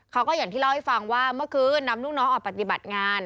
เขาก็อย่างที่เล่าให้ฟังว่าเมื่อคืนนำลูกน้องออกปฏิบัติงาน